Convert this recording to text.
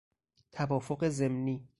توافق ضمنی